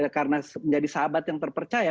karena menjadi sahabat yang terpercaya